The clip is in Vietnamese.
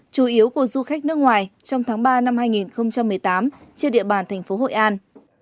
chủ yếu của du khách nước ngoài trong tháng ba năm hai nghìn một mươi tám trên địa bàn thành phố hội an